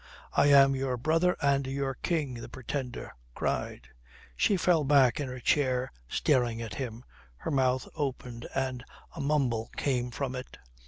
"I am your brother and your King," the Pretender cried. She fell back in her chair staring at him. Her mouth opened and a mumble came from it.